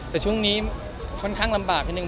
แต่ช่วงนี้ค่อนข้างลำบากนิดนึ